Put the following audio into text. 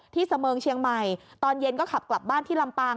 เสมิงเชียงใหม่ตอนเย็นก็ขับกลับบ้านที่ลำปาง